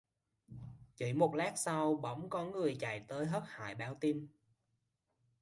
Chỉ một lát sau bỗng có người chạy tới hớt hải báo tin